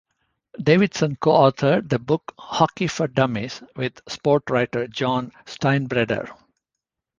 Davidson co-authored the book "Hockey for Dummies" with sportswriter John Steinbreder.